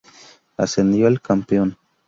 Ascendió el campeón.